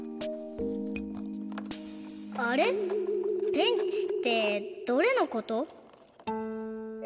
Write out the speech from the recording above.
ペンチってどれのこと？